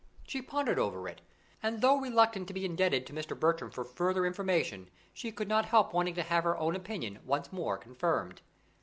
She pondered over it, and though reluctant to be indebted to Mr. Bertram for further information, she could not help wanting to have her own opinion once more confirmed.